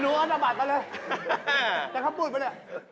อยากเข้าพูดไหม